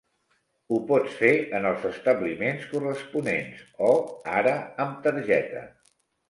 Ho pots fer en els establiments corresponents o ara amb targeta.